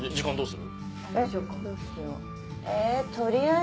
え